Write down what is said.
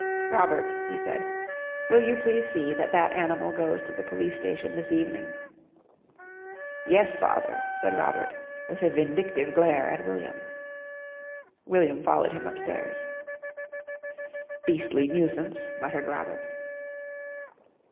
"Robert," he said, "will you please see that that animal goes to the Police Station this evening?" "Yes, father," said Robert, with a vindictive glare at William. William followed him upstairs. "Beastly nuisance!" muttered Robert.